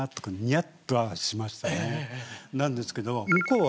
なんですけど向こうは。